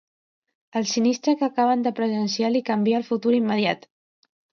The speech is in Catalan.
El sinistre que acaben de presenciar li canvia el futur immediat.